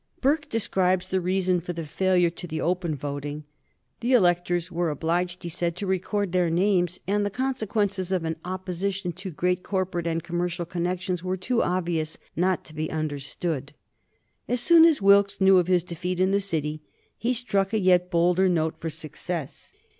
Burke ascribes the reason for the failure to the open voting. The electors were obliged, he said, to record their names, and the consequences of an opposition to great corporate and commercial connections were too obvious not to be understood. [Sidenote: 1768 Wilkes as Member for Middlesex] As soon as Wilkes knew of his defeat in the City, he struck a yet bolder note for success.